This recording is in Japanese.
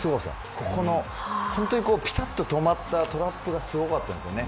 ここの本当にぴたっと止まったトラップがすごかったんです。